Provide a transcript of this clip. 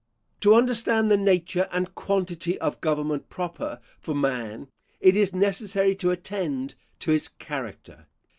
To understand the nature and quantity of government proper for man, it is necessary to attend to his character.